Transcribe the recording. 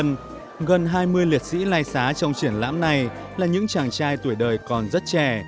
nhưng gần hai mươi liệt sĩ lai xá trong triển lãm này là những chàng trai tuổi đời còn rất trẻ